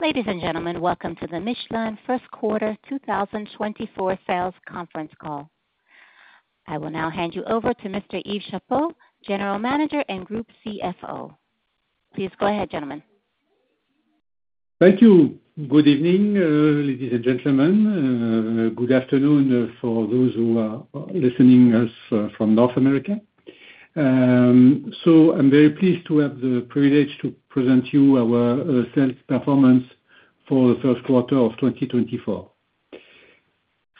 Ladies and gentlemen, welcome to the Michelin First Quarter 2024 Sales Conference Call. I will now hand you over to Mr. Yves Chapot, General Manager and Group CFO. Please go ahead, gentlemen. Thank you. Good evening, ladies and gentlemen. Good afternoon for those who are listening to us from North America. So I'm very pleased to have the privilege to present you our sales performance for the first quarter of 2024.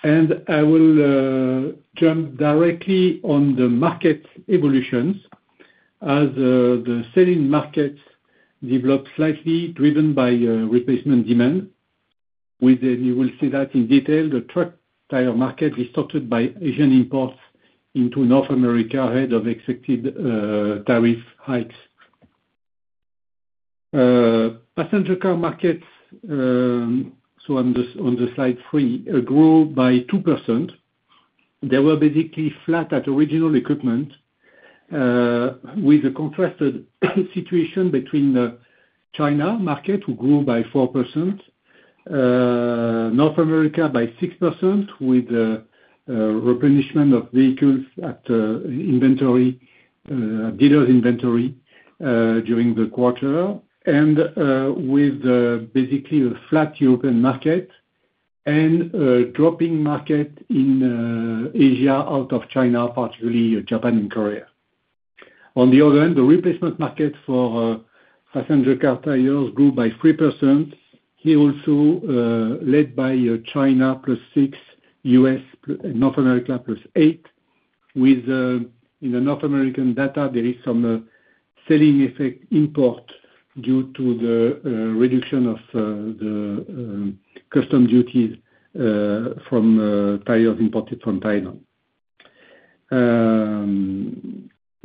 And I will jump directly on the market evolutions as the sell-in markets develop slightly driven by replacement demand. You will see that in detail: the truck tire market distorted by Asian imports into North America ahead of expected tariff hikes. Passenger car markets, so I'm just on the slide three, grew by 2%. They were basically flat at original equipment, with a contrasted situation between the China market, which grew by 4%, North America by 6% with replenishment of vehicles at inventory dealer inventory during the quarter, and with basically a flat European market and a dropping market in Asia out of China, particularly Japan and Korea. On the other hand, the replacement market for passenger car tires grew by 3%, here also led by China +6%, North America +8%. In the North American data, there is some selling effect import due to the reduction of the customs duties from the tires imported from Thailand.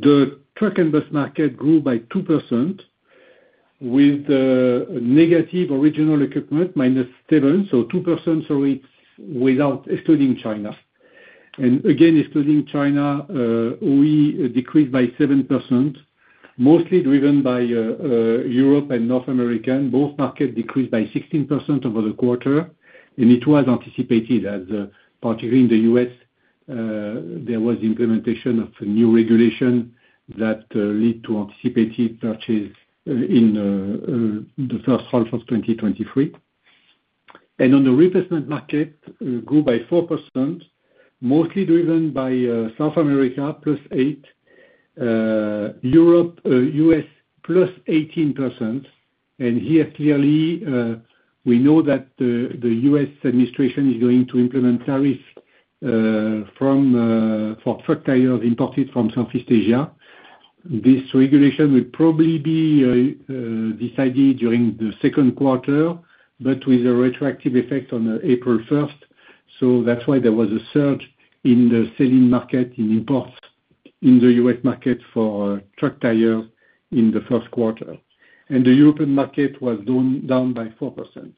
The truck and bus market grew by 2% with negative original equipment -7%, so 2% without excluding China. And again, excluding China, OE decreased by 7%, mostly driven by Europe and North America. Both markets decreased by 16% over the quarter, and it was anticipated as particularly in the U.S., there was implementation of a new regulation that led to anticipated purchase in the first half of 2023. And on the replacement market, it grew by 4%, mostly driven by South America +8%, U.S. +18%. Here, clearly, we know that the U.S. administration is going to implement tariffs from for truck tires imported from Southeast Asia. This regulation will probably be decided during the second quarter, but with a retroactive effect on April 1st. That's why there was a surge in the selling market in imports in the U.S. market for truck tires in the first quarter. And the European market was down by 4%.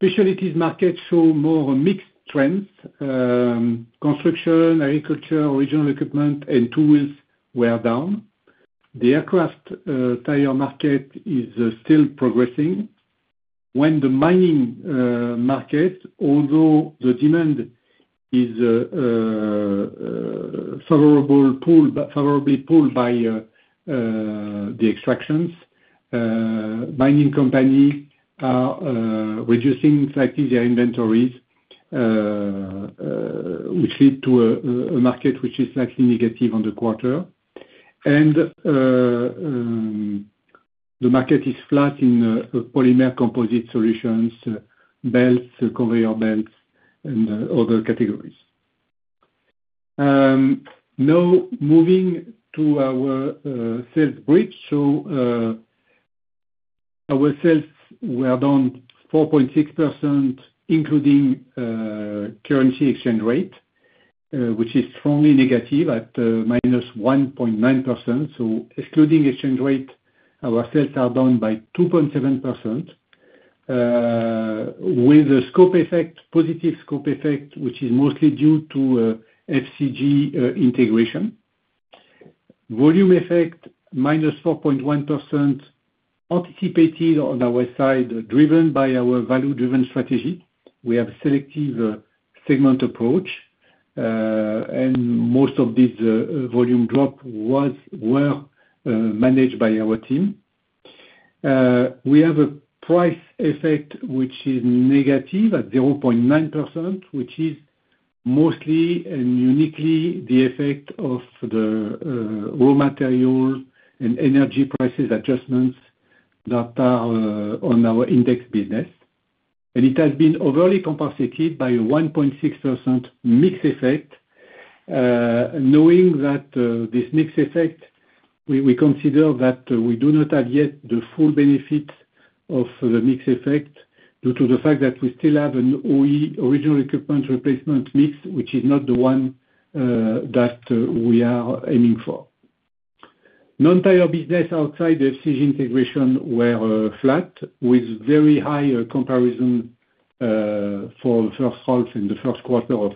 Specialties markets show more mixed trends. Construction, agriculture, original equipment, and two-wheels were down. The aircraft tire market is still progressing. When the mining market, although the demand is favorable pull favorably pulled by the extractions, mining companies are reducing slightly their inventories, which lead to a market which is slightly negative on the quarter. And the market is flat in polymer composite solutions, belts, conveyor belts, and other categories. Now, moving to our sales bridge. So, our sales were down 4.6%, including currency exchange rate, which is strongly negative at -1.9%. So excluding exchange rate, our sales are down by 2.7% with a positive scope effect, which is mostly due to FCG integration. Volume effect -4.1% anticipated on our side, driven by our value-driven strategy. We have a selective segment approach, and most of this volume drop was managed by our team. We have a price effect, which is negative at 0.9%, which is mostly and uniquely the effect of the raw materials and energy prices adjustments that are on our index business. And it has been overly compensated by a 1.6% mix effect. Knowing that this mixed effect, we consider that we do not have yet the full benefits of the mixed effect due to the fact that we still have an OE/RT, original equipment replacement mix, which is not the one that we are aiming for. Non-tire business outside the FCG integration were flat, with very high comparison for the first half and the first quarter of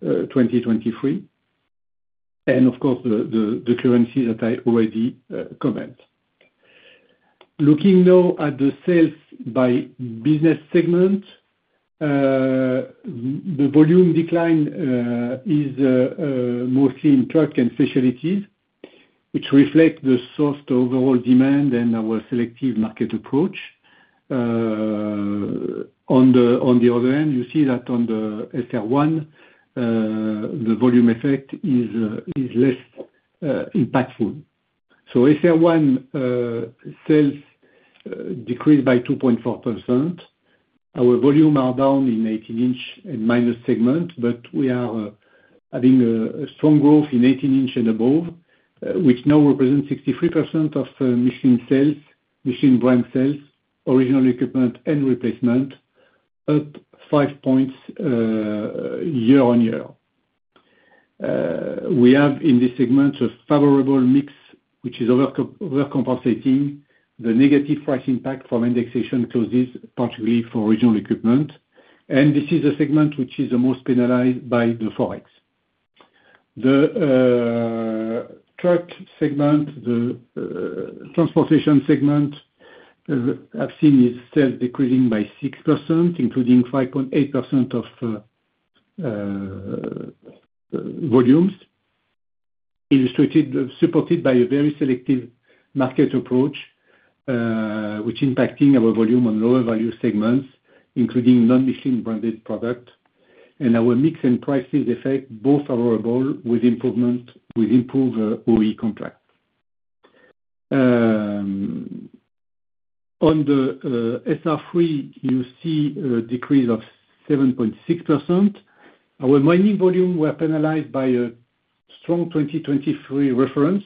2023, and of course, the currencies that I already commented. Looking now at the sales by business segment, the volume decline is mostly in truck and specialties, which reflect the soft overall demand and our selective market approach. On the, on the other hand, you see that on the SR1, the volume effect is is less impactful. So SR1 sales decreased by 2.4%. Our volumes are down in 18-inch and minus segment, but we are having a strong growth in 18-inch and above, which now represents 63% of the Michelin sales Michelin brand sales, original equipment, and replacement, up 5 points year-on-year. We have, in this segment, a favorable mix, which is overcompensating. The negative price impact from indexation clauses, particularly for regional equipment. And this is a segment which is the most penalized by the Forex. The truck segment, the transportation segment I've seen is still decreasing by 6%, including 5.8% of volumes, supported by a very selective market approach, which is impacting our volume on lower-value segments, including non-Michelin-branded products. And our mix and price effects both are favorable with improvement with improved OE contracts. On the SR3, you see a decrease of 7.6%. Our mining volume were penalized by a strong 2023 reference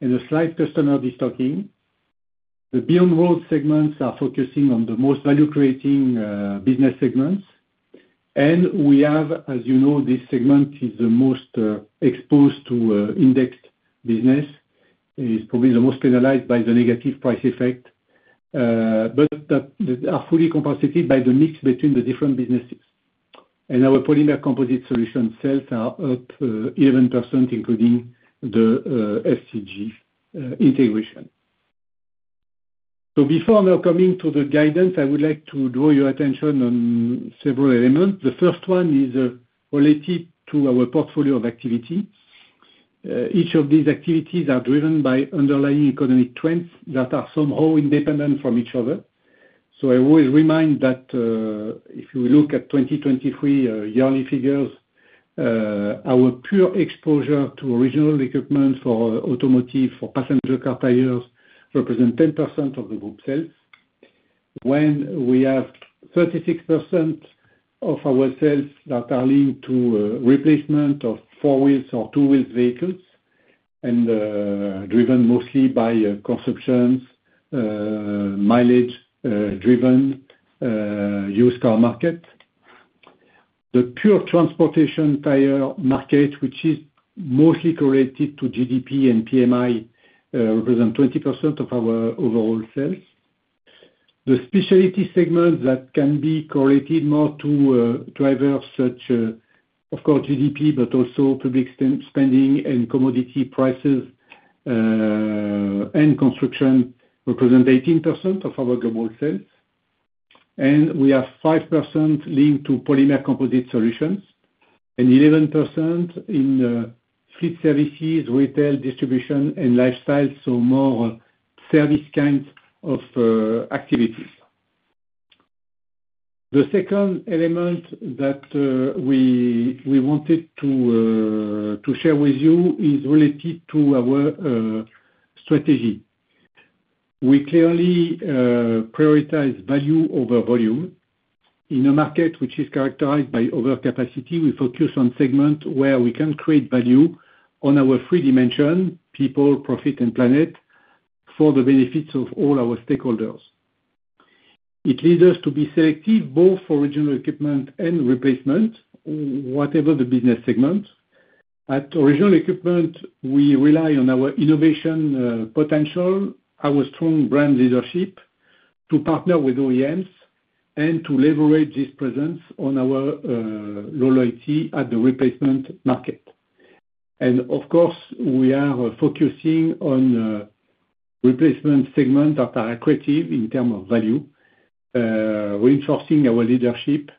and a slight customer destocking. The beyond-road segments are focusing on the most value-creating business segments. And we have, as you know, this segment is the most exposed to indexed business. It's probably the most penalized by the negative price effect, but are fully compensated by the mix between the different businesses. Our polymer composite solutions sales are up 11%, including the FCG integration. Before now coming to the guidance, I would like to draw your attention on several elements. The first one is related to our portfolio of activity. Each of these activities are driven by underlying economic trends that are somehow independent from each other. So I always remind that if you look at 2023 yearly figures, our pure exposure to original equipment for automotive, for passenger car tires, represents 10% of the group sales. When we have 36% of our sales that are linked to replacement of four-wheels or two-wheels vehicles and driven mostly by consumptions, mileage-driven used car market, the pure transportation tire market, which is mostly correlated to GDP and PMI, represents 20% of our overall sales. The specialty segments that can be correlated more to drivers such as, of course, GDP, but also public spending and commodity prices and construction represent 18% of our global sales. And we have 5% linked to polymer composite solutions and 11% in fleet services, retail, distribution, and lifestyle, so more service kinds of activities. The second element that we we wanted to share with you is related to our strategy. We clearly prioritize value over volume. In a market which is characterized by overcapacity, we focus on segments where we can create value on our three dimensions: people, profit, and planet, for the benefits of all our stakeholders. It leads us to be selective both for regional equipment and replacement, whatever the business segment. At regional equipment, we rely on our innovation potential, our strong brand leadership, to partner with OEMs, and to leverage this presence on our loyalty at the replacement market. And of course, we are focusing on replacement segments that are accretive in terms of value, reinforcing our leadership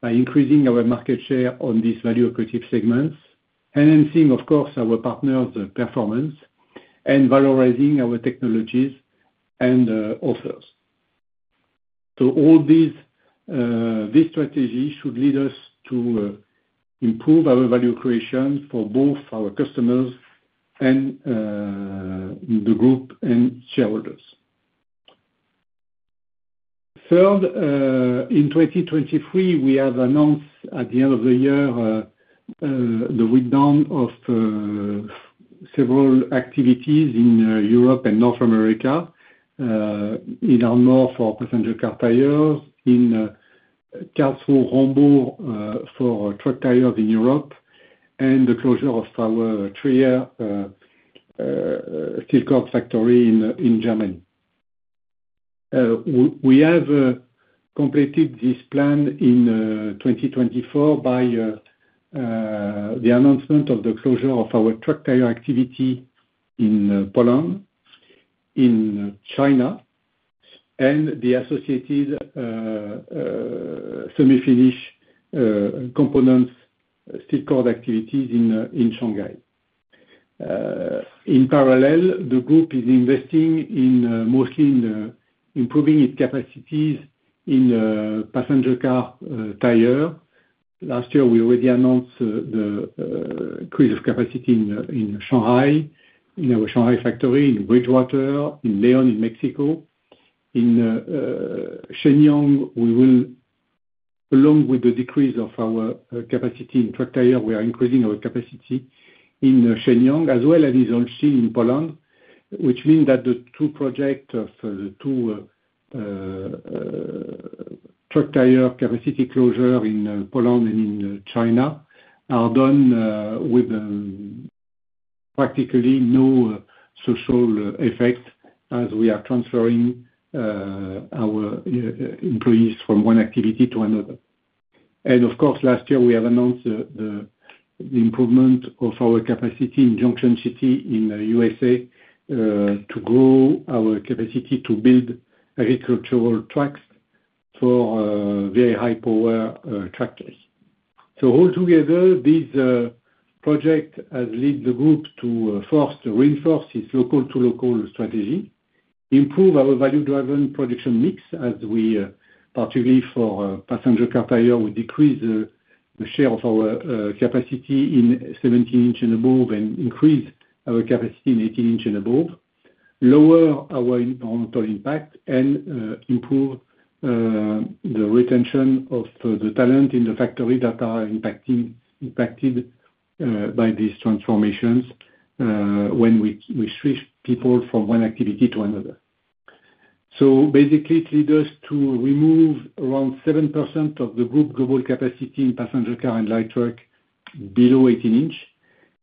by increasing our market share on these value-accretive segments, enhancing, of course, our partners' performance, and valorizing our technologies and offers. So all this, this strategy should lead us to improve our value creation for both our customers and the group and shareholders. Third, in 2023, we have announced at the end of the year the withdrawal of several activities in Europe and North America: in Ardmore for passenger car tires, in Karlsruhe, Homburg for truck tires in Europe, and the closure of our Trier steelcord factory in Germany. We have completed this plan in 2024 by the announcement of the closure of our truck tire activity in Poland, in China, and the associated semi-finish components steelcord activities in Shanghai. In parallel, the group is investing in mostly in improving its capacities in passenger car tires. Last year, we already announced the increase of capacity in Shanghai, in our Shanghai factory, in Bridgewater, in León, in Mexico. In Shenyang we will, along with the decrease of our capacity in truck tires, we are increasing our capacity in Shenyang, as well as in Olsztyn, in Poland, which means that the two projects of the two truck tire capacity closures in Poland and in China are done with practically no social effect as we are transferring our employees from one activity to another. And of course, last year, we have announced the improvement of our capacity in Junction City in the USA to grow our capacity to build agricultural tracks for very high-power tractors. So altogether, this project has led the group to reinforce its local-to-local strategy, improve our value-driven production mix as we particularly for passenger car tires, we decrease the share of our capacity in 17-inch and above and increase our capacity in 18-inch and above, lower our overall impact, and improve the retention of the talent in the factory that are impacting impacted by these transformations when we switch people from one activity to another. So basically, it leads us to remove around 7% of the group global capacity in passenger car and light truck below 18-inch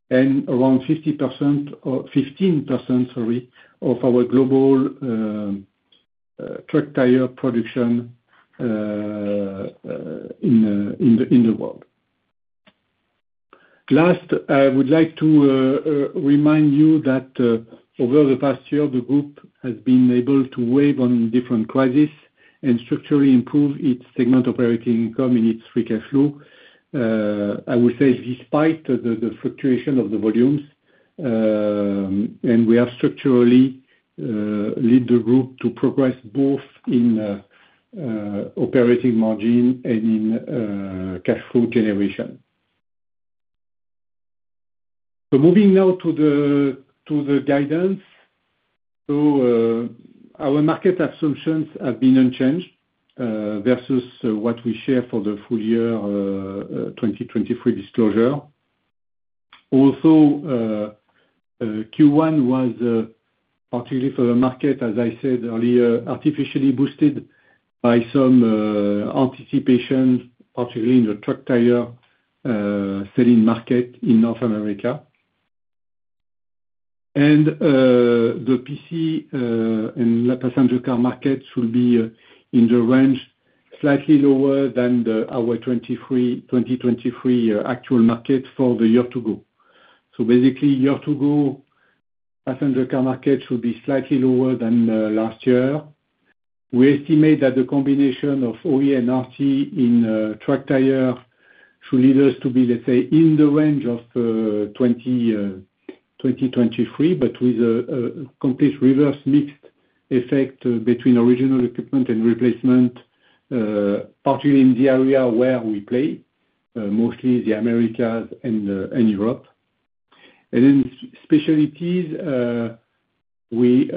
and around 50%, 15%, sorry, of our global truck tire production in the in the world. Last, I would like to remind you that over the past year, the group has been able to weather on different crises and structurally improve its segment operating income and its free cash flow. I will say despite the fluctuation of the volumes, and we have structurally led the group to progress both in operating margin and in cash flow generation. So moving now to the to the guidance. So our market assumptions have been unchanged versus what we share for the full year 2023 disclosure. Also, Q1 was particularly for the market, as I said earlier, artificially boosted by some anticipation, particularly in the truck tire selling market in North America. And the PC and passenger car markets will be in the range slightly lower than our 2023 actual market for the year to go. So basically, year to go, passenger car markets should be slightly lower than last year. We estimate that the combination of OE and RT in truck tires should lead us to be, let's say, in the range of 2023, but with a complete reverse mix effect between original equipment and replacement, particularly in the area where we play, mostly the Americas and Europe. And in specialties, we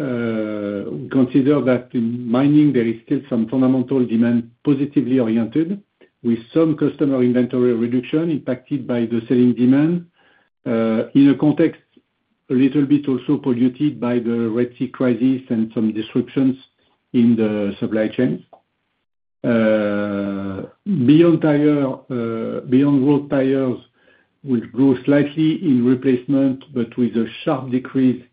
consider that in mining, there is still some fundamental demand positively oriented with some customer inventory reduction impacted by the selling demand in a context a little bit also polluted by the Red Sea crisis and some disruptions in the supply chain. [inaudible] tires [inaudible] Off-road tires will grow slightly in replacement, but with a sharp decrease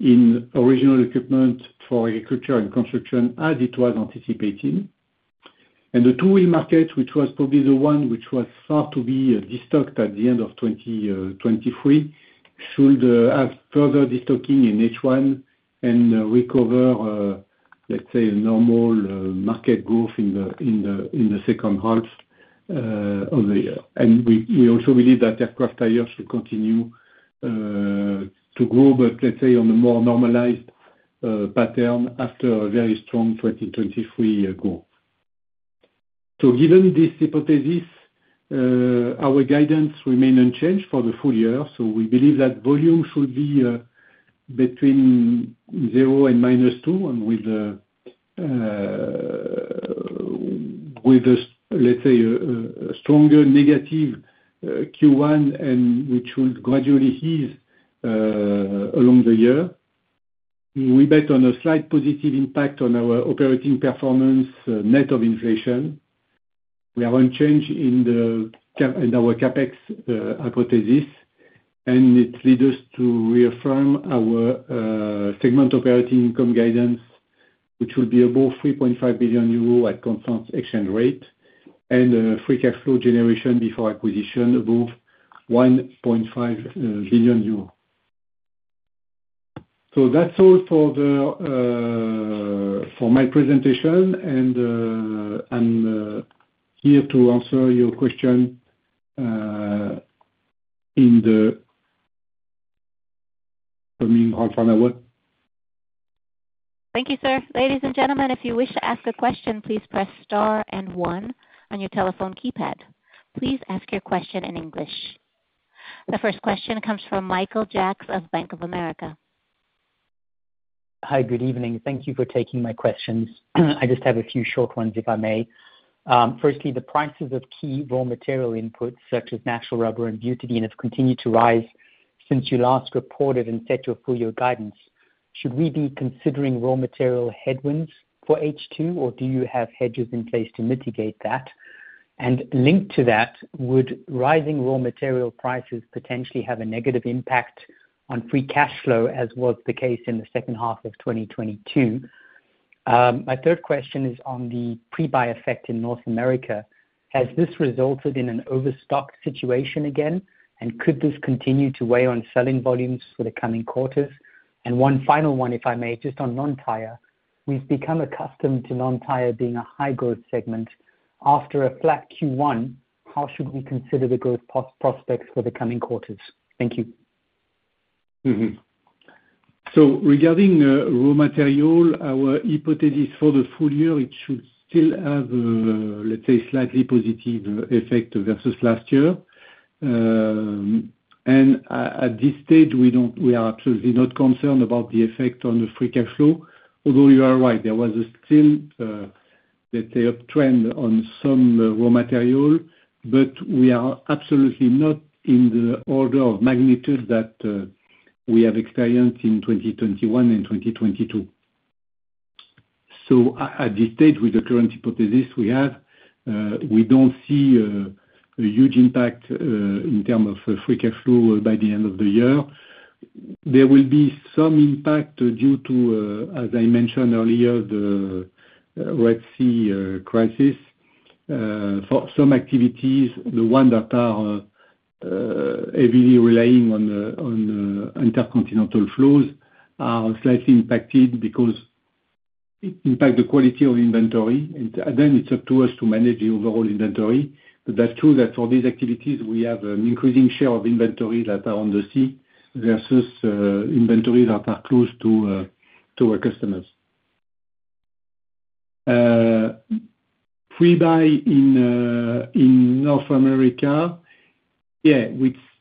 in original equipment for agriculture and construction as it was anticipated. And the two-wheel market, which was probably the one which was far to be destocked at the end of 2023, should have further destocking in H1 and recover, let's say, normal market growth in the in the second half of the year. And we also believe that aircraft tires should continue to grow, but let's say, on a more normalized pattern after a very strong 2023 growth. So given this hypothesis, our guidance remains unchanged for the full year. So we believe that volume should be between 0 and -2 with, let's say, a stronger negative Q1 and which will gradually ease along the year. We bet on a slight positive impact on our operating performance net of inflation. We haven't changed in the in our CapEx hypothesis, and it leads us to reaffirm our segment operating income guidance, which will be above 3.5 billion euros at consensus exchange rate and free cash flow generation before acquisition above 1.5 billion euros. So that's all for the for my presentation. And I'm here to answer your question in the coming half an hour. Thank you, sir. Ladies and gentlemen, if you wish to ask a question, please press star and 1 on your telephone keypad. Please ask your question in English. The first question comes from Michael Jacks of Bank of America. Hi. Good evening. Thank you for taking my questions. I just have a few short ones, if I may. Firstly, the prices of key raw material inputs such as natural rubber and butadiene have continued to rise since you last reported and set your full year guidance. Should we be considering raw material headwinds for H2, or do you have hedges in place to mitigate that? And linked to that, would rising raw material prices potentially have a negative impact on free cash flow as was the case in the second half of 2022? My third question is on the pre-buy effect in North America. Has this resulted in an overstocked situation again, and could this continue to weigh on selling volumes for the coming quarters? And one final one, if I may, just on non-tire. We've become accustomed to non-tire being a high-growth segment. After a flat Q1, how should we consider the growth prospects for the coming quarters? Thank you. So regarding raw material, our hypothesis for the full year, it should still have, let's say, a slightly positive effect versus last year. And at this stage, we are absolutely not concerned about the effect on the free cash flow, although you are right. There was still, let's say, uptrend on some raw material, but we are absolutely not in the order of magnitude that we have experienced in 2021 and 2022. So at this stage, with the current hypothesis we have, we don't see a huge impact in terms of free cash flow by the end of the year. There will be some impact due to, as I mentioned earlier, the Red Sea crisis. For some activities, the ones that are heavily relying on on intercontinental flows are slightly impacted because it impacts the quality of inventory. And then it's up to us to manage the overall inventory. But that's true that for these activities, we have an increasing share of inventories that are on the sea versus inventories that are close to our customers. Pre-buy in North America, yeah,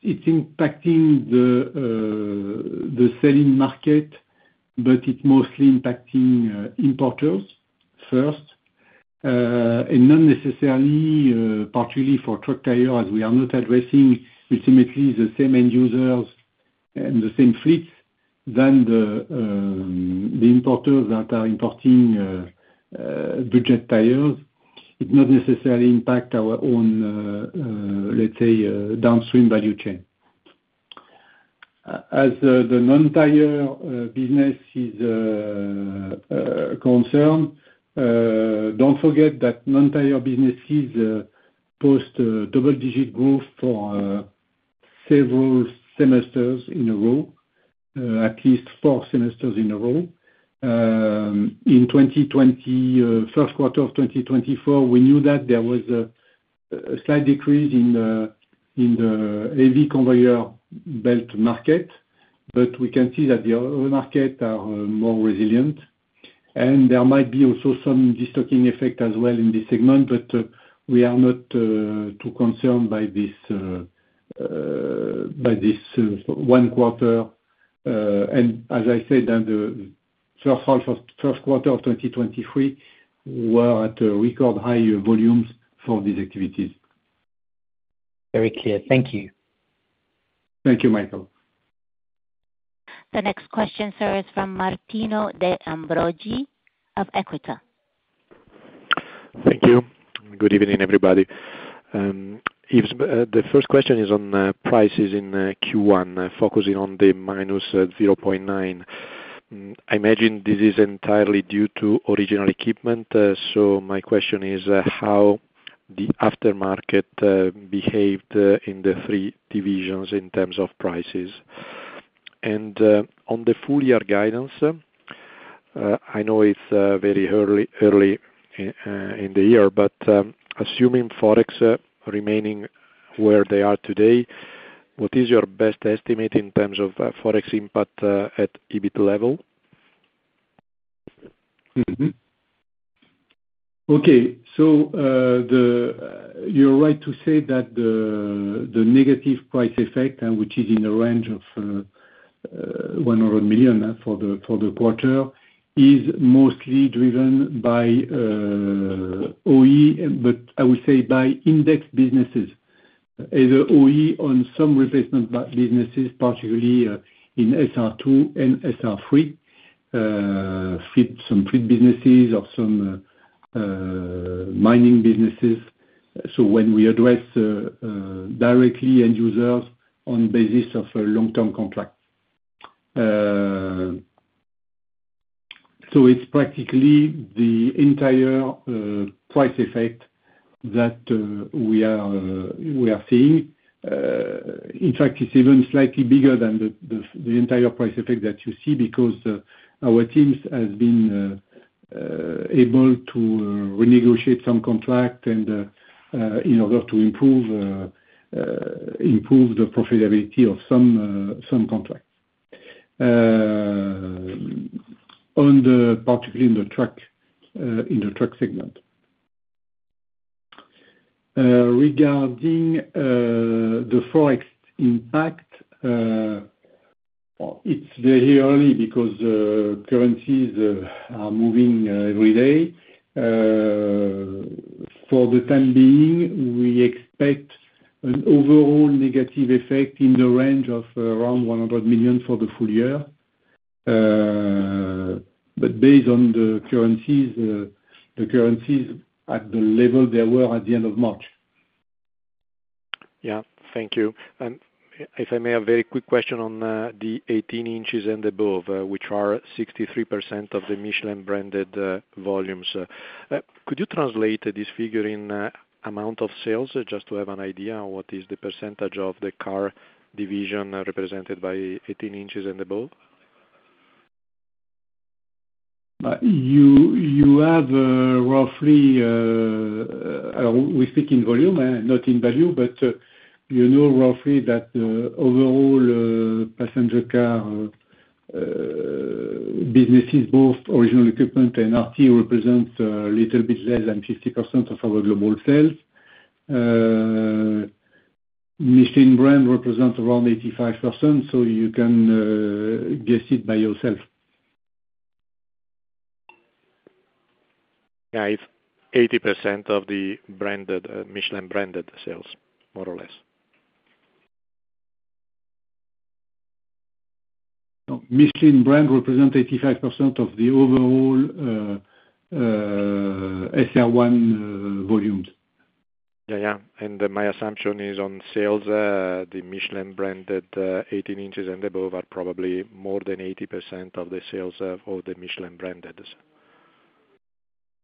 it's impacting the selling market, but it's mostly impacting importers first and not necessarily particularly for truck tires, as we are not addressing ultimately the same end users and the same fleets than the importers that are importing budget tires. It does not necessarily impact our own, let's say, downstream value chain. As the non-tire business is concerned, don't forget that non-tire businesses post double-digit growth for several semesters in a row, at least four semesters in a row. In the first quarter of 2024, we knew that there was a slight decrease in the in the heavy conveyor belt market, but we can see that the other markets are more resilient. And there might be also some destocking effect as well in this segment, but we are not too too concerned by this by this one quarter. As I said, the first quarter of 2023 were at record high volumes for these activities. Very clear. Thank you. Thank you, Michael. The next question, sir, is from Martino De Ambroggi of Equita. Thank you. Good evening, everybody. The first question is on prices in Q1, focusing on the -0.9. I imagine this is entirely due to original equipment. So my question is how the aftermarket behaved in the three divisions in terms of prices. And on the full year guidance, I know it's very early early in the year, but assuming Forex remaining where they are today, what is your best estimate in terms of Forex impact at EBIT level? Okay. So you're right to say that the negative price effect, which is in the range of 100 million for the quarter, is mostly driven by OE, but I would say by index businesses, either OE on some replacement businesses, particularly in SR2 and SR3, some freight businesses or some mining businesses. So when we address directly end users on basis of a long-term contract. So it's practically the entire price effect that we are we are seeing. In fact, it's even slightly bigger than the entire price effect that you see because our team has been able to renegotiate some contracts and in order to improve the profitability of some of some contracts, under particularly in the truck in the truck segment. Regarding the Forex impact, it's very early because currencies are are moving every day. For the time being, we expect an overall negative effect in the range of around 100 million for the full year. But based on the currencies, the currencies at the level they were at the end of March. Yeah. Thank you. And if I may, a very quick question on the 18 inches and above, which are 63% of the Michelin-branded volumes. Could you translate this figure in amount of sales just to have an idea? What is the percentage of the car division represented by 18 inches and above? You you have roughly we speak in volume, not in value, but you know roughly that the overall passenger car businesses, both original equipment and RT, represent a little bit less than 50% of our global sales. Michelin brand represents around 85%, so you can guess it by yourself. Yeah. It's 80% of the branded Michelin-branded sales, more or less. Michelin brand represents 85% of the overall SR1 volumes. Yeah. Yeah. My assumption is on sales, the Michelin-branded 18 inches and above are probably more than 80% of the sales of the [inaudible] Michelin-brandeds.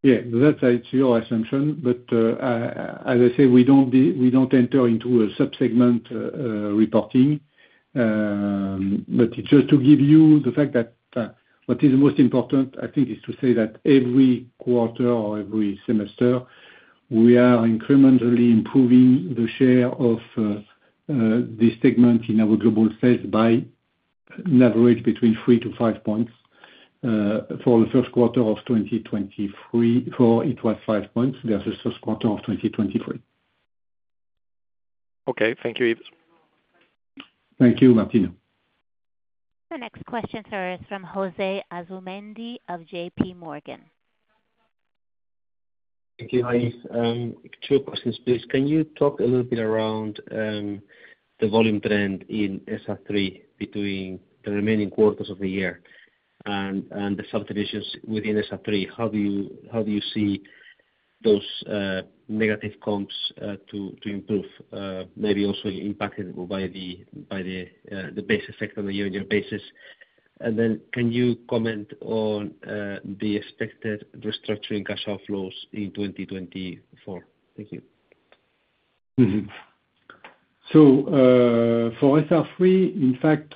Yeah. That's your assumption. But as I say, we don't enter into a subsegment reporting. But it's just to give you the fact that what is most important, I think, is to say that every quarter or every semester, we are incrementally improving the share of this segment in our global sales by an average between 3-5 points. For the first quarter of 2023, it was 5 points versus the first quarter of 2023. Okay. Thank you, Yves. Thank you, Martino. The next question, sir, is from José Asumendi of J.P. Morgan. Thank you, Yves. Two questions, please. Can you talk a little bit around the volume trend in SR3 between the remaining quarters of the year and the subdivisions within SR3? How do you, how do you see those negative comps to improve, maybe also impacted by the by the base effect on a year-on-year basis? And then can you comment on the expected restructuring cash flows in 2024? Thank you. So for SR3, in fact,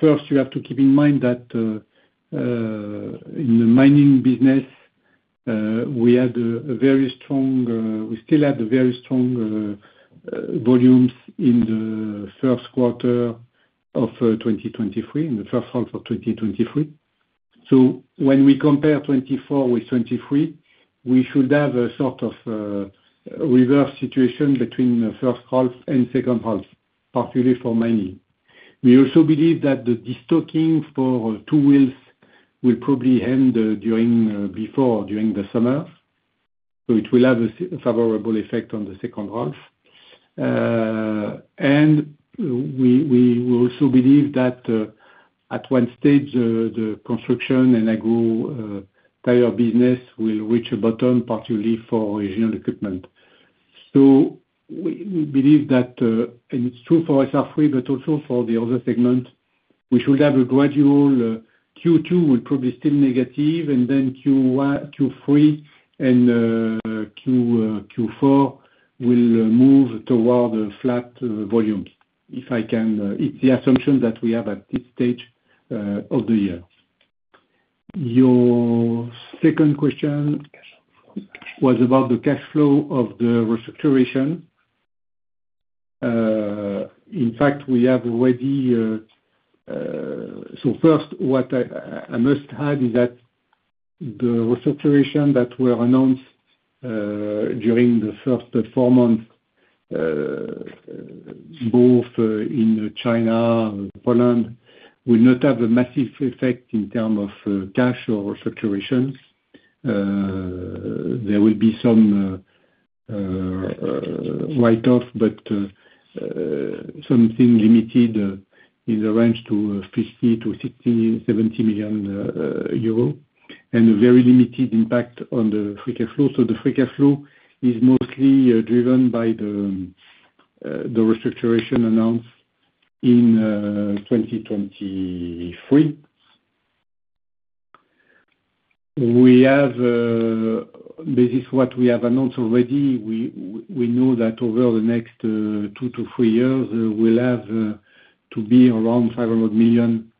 first, you have to keep in mind that in the mining business, we had a very strong we still had very strong volumes in the first quarter of 2023, in the first half of 2023. So when we compare 2024 with 2023, we should have a sort of reverse situation between the first half and second half, particularly for mining. We also believe that the destocking for two wheels will probably end before during the summer. So it will have a favorable effect on the second half. And we we also believe that at one stage, the construction and agro-tire business will reach a bottom, particularly for regional equipment. So we believe that, and it's true for SR3, but also for the other segment. We should have a gradual. Q2 will probably still negative, and then Q3 and Q4 will move toward flat volumes. If I can, it's the assumption that we have at this stage of the year. Your second question was about the cash flow of therestructuration. In fact, we have already. So first, what I must add is that the restructuration that were announced during the first four months, both in the China and Poland, will not have a massive effect in terms of cash or restructuration. There will be some write-off, but something limited in the range to 50 million-70 million euro and a very limited impact on the free cash flow. So the free cash flow is mostly driven by the, by the restructuring announced in 2023. We have, based on what we have announced already, we know that over the next two to three years, we'll have to be around 500 million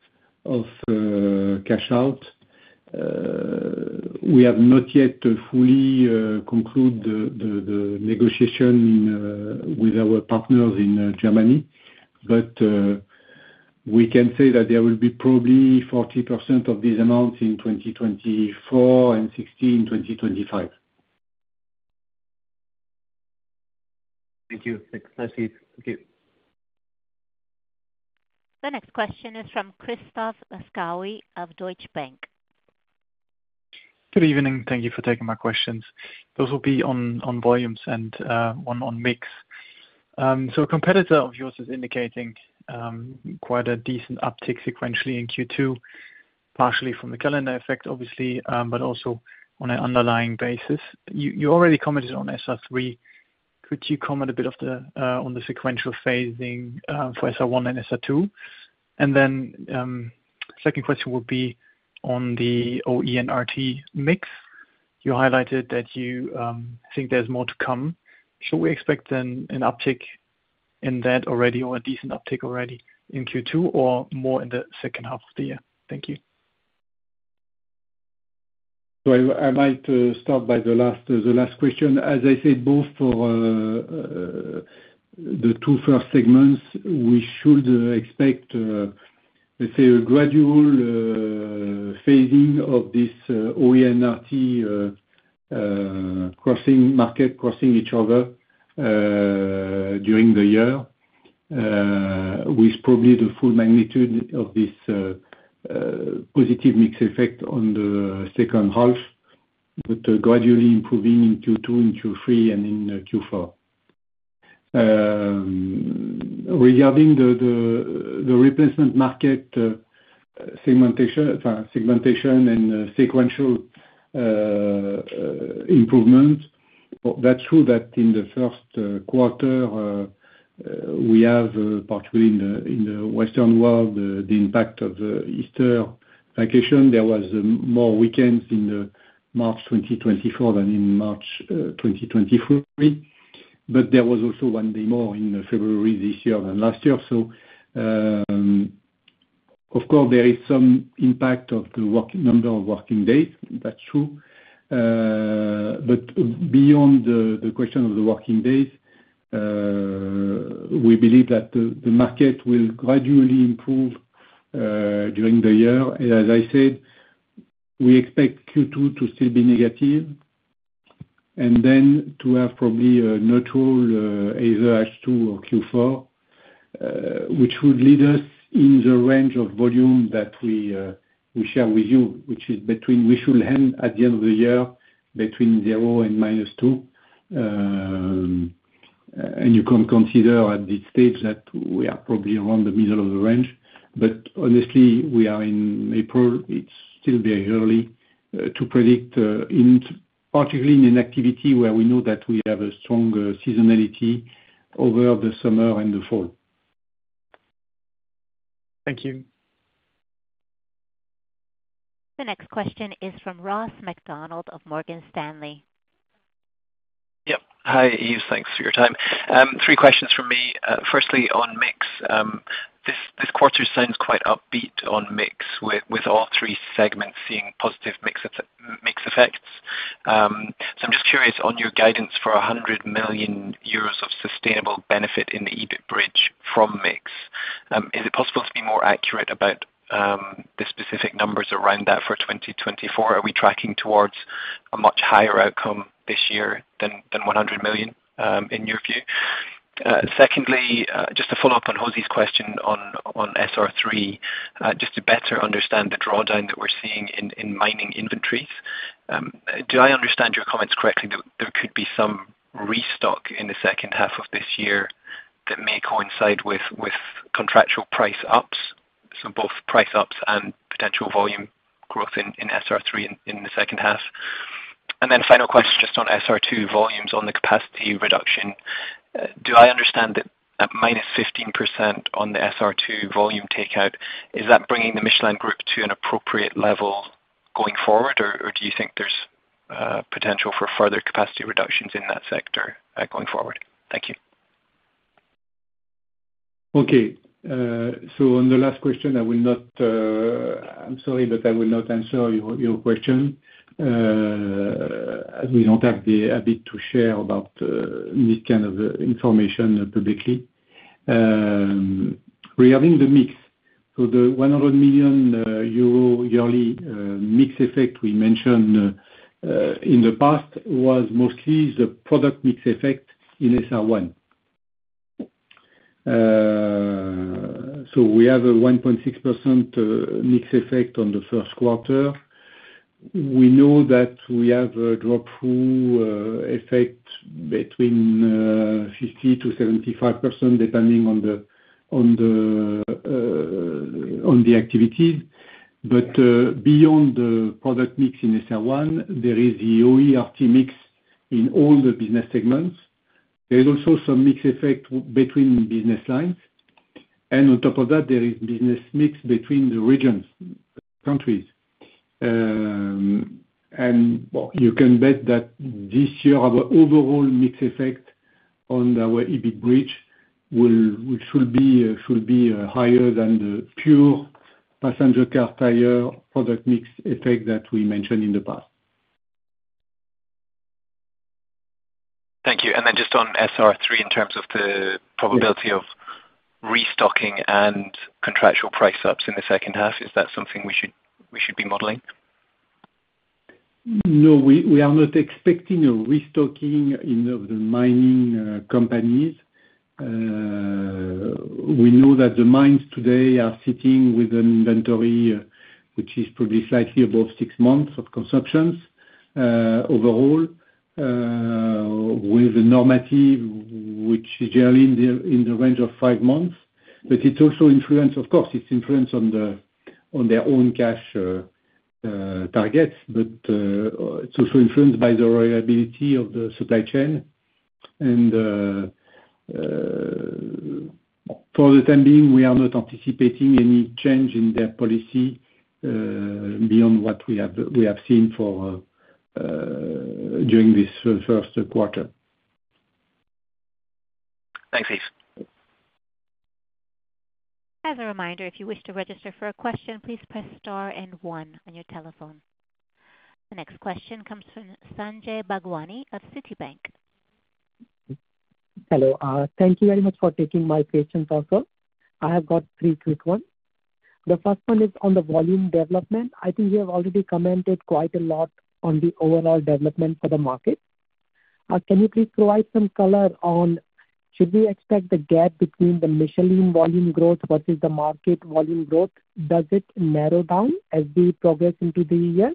of cash out. We have not yet fully concluded the negotiation with our partners in Germany, but we can say that there will be probably 40% of these amounts in 2024 and 60% in 2025. Thank you. Thank you. The next question is from Christoph Laskawi of Deutsche Bank. Good evening. Thank you for taking my questions. Those will be on volumes and one on mix. So a competitor of yours is indicating quite a decent uptick sequentially in Q2, partially from the calendar effect, obviously, but also on an underlying basis. You already commented on SR3. Could you comment a bit on the sequential phasing for SR1 and SR2? And then the second question would be on the OE and RT mix. You highlighted that you think there's more to come. Should we expect then an uptick in that already or a decent uptick already in Q2 or more in the second half of the year? Thank you. So I might start by the last question. As I said, both for the two first segments, we should expect, let's say, a gradual phasing of this OE and RT crossing market crossing each other during the year with probably the full magnitude of this positive mix effect on the second half, but gradually improving in Q2, in Q3, and in Q4. Regarding the replacement market segmentation and sequential improvement, that's true that in the first quarter, we have, particularly in the in the Western world, the impact of Easter vacation. There was more weekends in March 2024 than in March 2023, but there was also one day more in February this year than last year. So, of course, there is some impact of the number of working days. That's true. But beyond the question of the working days, we believe that the market will gradually improve during the year. And as I said, we expect Q2 to still be negative and then to have probably a neutral either H2 or Q4, which would lead us in the range of volume that we share with you, which is between we should end at the end of the year between 0 and -2. And you can consider at this stage that we are probably around the middle of the range. But honestly, we are in April. It's still very early to predict, particularly in inactivity where we know that we have a strong seasonality over the summer and the fall. Thank you. The next question is from Ross MacDonald of Morgan Stanley. Yep. Hi, Yves. Thanks for your time. Three questions from me. Firstly, on mix, this quarter sounds quite upbeat on mix with all three segments seeing positive mix effects. So I'm just curious, on your guidance for 100 million euros of sustainable benefit in the EBIT bridge from mix, is it possible to be more accurate about the specific numbers around that for 2024? Are we tracking towards a much higher outcome this year than 100 million, in your view? Secondly, just a follow-up on José's question on SR3, just to better understand the drawdown that we're seeing in mining inventories, do I understand your comments correctly? There could be some restock in the second half of this year that may coincide with with contractual price ups, so both price ups and potential volume growth in SR3 in the second half. And then final question just on SR2 volumes, on the capacity reduction, do I understand that at -15% on the SR2 volume takeout, is that bringing the Michelin group to an appropriate level going forward, or do you think there's potential for further capacity reductions in that sector going forward? Thank you. Okay. So on the last question, I will not I'm sorry, but I will not answer your question as we don't have a bit to share about this kind of information publicly. Regarding the mix, so the 100 million euro yearly mix effect we mentioned in the past was mostly the product mix effect in SR1. So we have a 1.6% mix effect on the first quarter. We know that we have a drop-through effect between 50%-75% depending on the on the on the activities. But beyond the product mix in SR1, there is the OE/RT mix in all the business segments. There is also some mix effect between business lines. And on top of that, there is business mix between the regions, countries. And you can bet that this year, our overall mix effect on our EBIT bridge will which will be will be higher than the pure passenger car tire product mix effect that we mentioned in the past. Thank you. And then just on SR3, in terms of the probability of restocking and contractual price ups in the second half, is that something we should we should be modelling? No, we are not expecting a restocking of the mining companies. We know that the mines today are sitting with an inventory, which is probably slightly above six months of consumptions overall, with a normative, which is generally in the range of five months. But it's also influenced, of course. It's influenced on their own cash targets, but it's also influenced by the reliability of the supply chain. And for the time being, we are not anticipating any change in their policy beyond what we have seen during this first quarter. Thanks, Yves. As a reminder, if you wish to register for a question, please press star and one on your telephone. The next question comes from Sanjay Bhagwani of Citibank. Hello. Thank you very much for taking my question also. I have got three quick ones. The first one is on the volume development. I think you have already commented quite a lot on the overall development for the market. Can you please provide some color on should we expect the gap between the Michelin volume growth versus the market volume growth, does it narrow down as we progress into the year,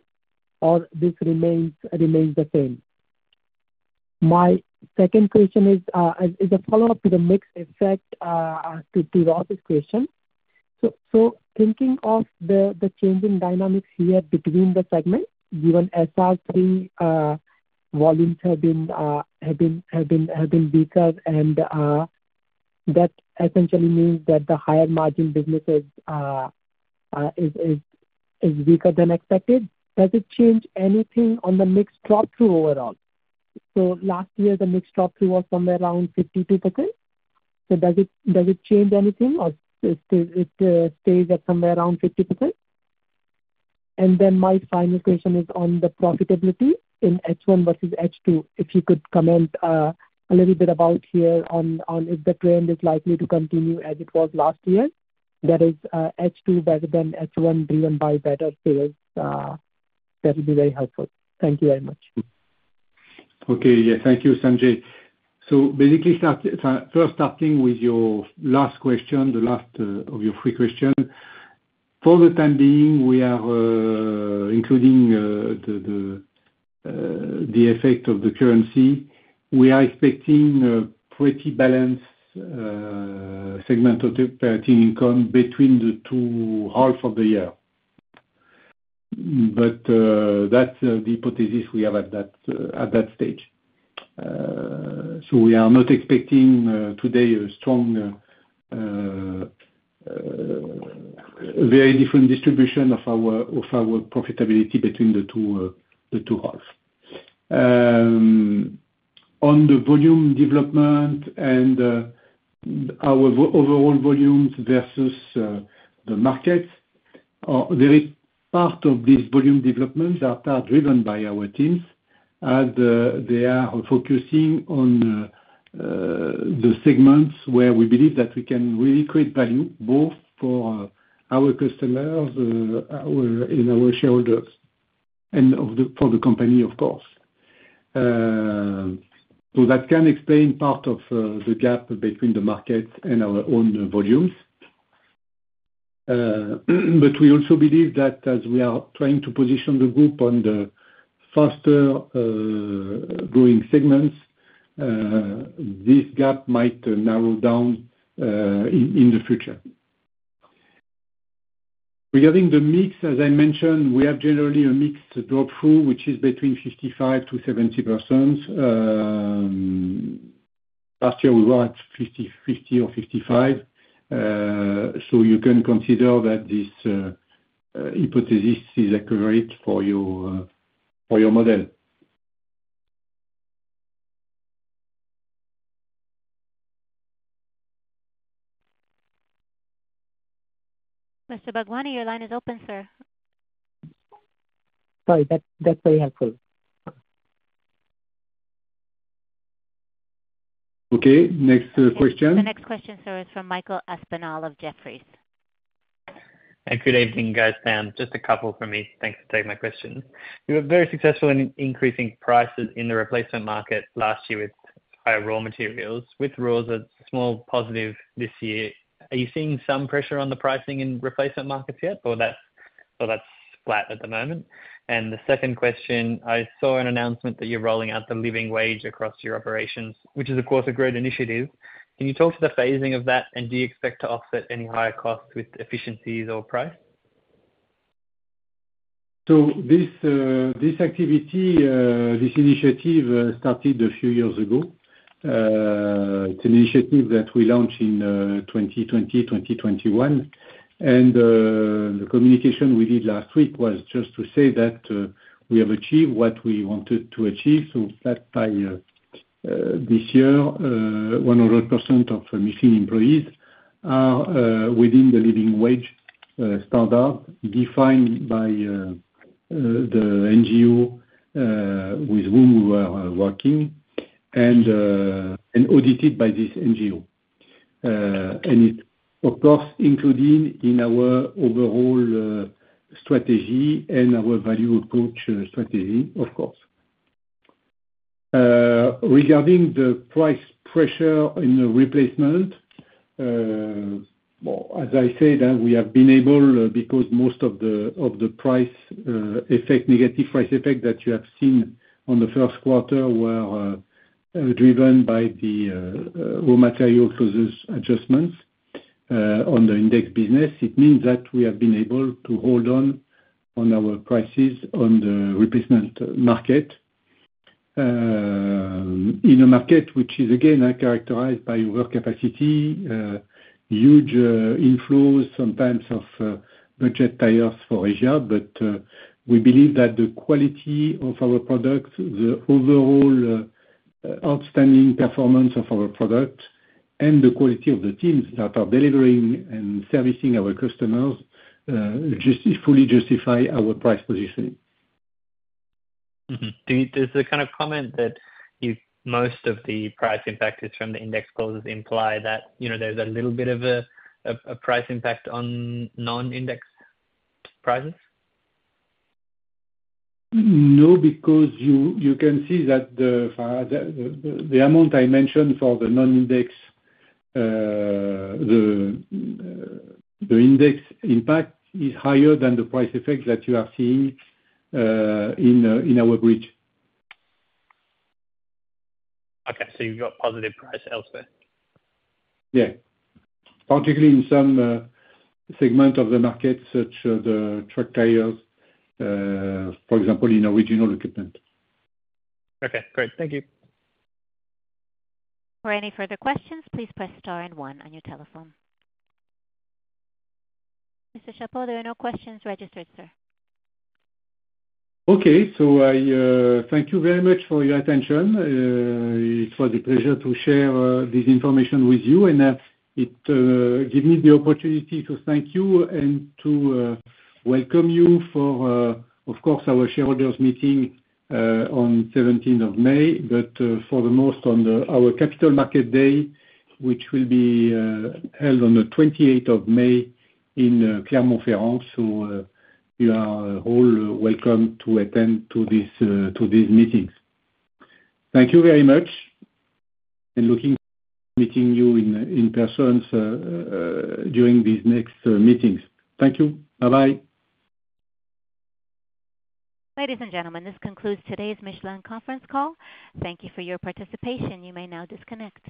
or this remains, remains the same? My second question is a follow-up to the mix effect to Ross's question. So thinking of the changing dynamics here between the segments, given SR3 volumes have been, have been have been weaker, and that essentially means that the higher margin businesses is weaker than expected, does it change anything on the mix drop-through overall? So last year, the mix drop-through was somewhere around 52%. So does it, does it change anything, or it stays at somewhere around 50%? And then my final question is on the profitability in H1 versus H2. If you could comment a little bit about here on if the trend is likely to continue as it was last year, that is H2 better than H1 driven by better sales, that would be very helpful. Thank you very much. Okay. Yeah. Thank you, Sanjay. So basically, first starting with your last question, the last of your three questions, for the time being, we are including the effect of the currency. We are expecting pretty balanced segment operating income between the two halves of the year. But that's the hypothesis we have at that stage. So we are not expecting today a strong, very different distribution of our of our profitability between the two, the two halves. On the volume development and our overall volumes versus the markets, there is part of this volume development that are driven by our teams. They are focusing on the segments where we believe that we can really create value both for our customers and our shareholders and for the company, of course. So that can explain part of the gap between the markets and our own volumes. But we also believe that as we are trying to position the group on the faster-growing segments, this gap might narrow down in the future. Regarding the mix, as I mentioned, we have generally a mix drop-through, which is between 55%-70%. Last year, we were at 50% or 55%. So you can consider that this hypothesis is accurate for your, for your model. Mr. Bhagwani, your line is open, sir. Sorry. That's that'svery helpful. Okay. Next question. The next question, sir, is from Michael Aspinall of Jefferies. And good evening, guys, Sam. Just a couple for me. Thanks for taking my question. You were very successful in increasing prices in the replacement market last year with higher raw materials. With raws, a small positive this year. Are you seeing some pressure on the pricing in replacement markets yet, or that's, that's flat at the moment? And the second question, I saw an announcement that you're rolling out the living wage across your operations, which is, of course, a great initiative. Can you talk to the phasing of that, and do you expect to offset any higher costs with efficiencies or price? So this, this activity, this initiative started a few years ago. It's an initiative that we launched in 2020, 2021. And the communication we did last week was just to say that we have achieved what we wanted to achieve. So that's why this year, 100% of Michelin employees are within the living wage standard defined by the NGO with whom we were working and audited by this NGO. And it's, of course, included in our overall strategy and our value approach strategy, of course. Regarding the price pressure in the replacement, as I said, we have been able because most of the, of the price effect, negative price effect that you have seen on the first quarter were driven by the raw material cost adjustments on the indexed business. It means that we have been able to hold on our prices on the replacement market in a market which is, again, characterized by overcapacity, huge inflows, sometimes of budget tires from Asia. But we believe that the quality of our products, the overall outstanding performance of our products, and the quality of the teams that are delivering and servicing our customers fully justify our price positioning. Does your comment that most of the price impact is from the index clauses imply that you know there's a little bit of a price impact on non-index prices? No, because you can see that the amount I mentioned for the non-index, the index impact is higher than the price effect that you are seeing in our bridge. Okay. So you've got positive price elsewhere? Yeah, particularly in some segments of the market such as the truck tires, for example, in original equipment. Okay. Great. Thank you. For any further questions, please press star and one on your telephone. Mr. Chapot, there are no questions registered, sir. Okay. So thank you very much for your attention. It was a pleasure to share this information with you. And it gave me the opportunity to thank you and to welcome you for, of course, our shareholders' meeting on 17th of May, but for the most, on our Capital Market Day, which will be held on the 28th of May in Clermont-Ferrand. So you are all welcome to attend to these meetings. Thank you very much. And looking forward to meeting you in person during these next meetings. Thank you. Bye-bye. Ladies and gentlemen, this concludes today's Michelin conference call. Thank you for your participation. You may now disconnect.